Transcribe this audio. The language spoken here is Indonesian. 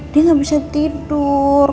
dia gak bisa tidur